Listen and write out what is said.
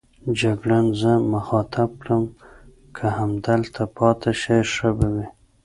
جګړن زه مخاطب کړم: که همدلته پاتې شئ ښه به وي.